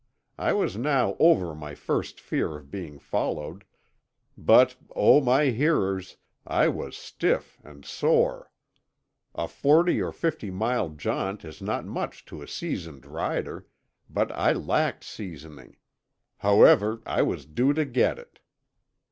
I was now over my first fear of being followed; but, oh, my hearers, I was stiff and sore! A forty or fifty mile jaunt is not much to a seasoned rider—but I lacked seasoning; however, I was due to get it.